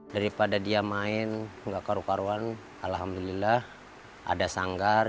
daripada dia main nggak karu karuan alhamdulillah ada sanggar